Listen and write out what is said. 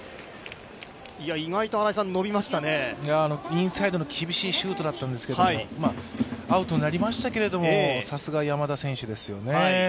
インサイドの厳しいシュートだったんですけれども、アウトになりましたけれども、さすが山田選手ですよね。